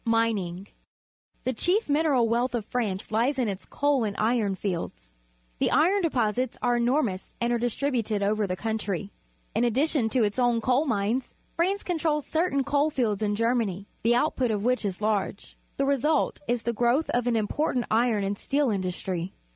Mining. — The cliief mineral wealth of France lies in its coaLand iron fields. The iron FRANCE 183 deposits are enormous and are distributed over the countrj . In addition to its own coal mines, France controls certain coal fields in Germany, the output of which is A Vinej'ard on a Hillside, France large. The result is the growth of an important iron and steel industry.